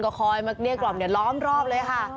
ก็คอยมาเรียกรอบเลยค่ะ